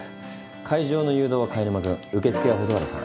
会場の誘導は貝沼君受付は蛍原さん。